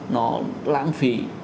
nó lang phỉ